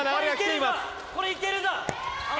これいけるぞ！